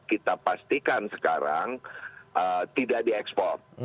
kita pastikan sekarang tidak diekspor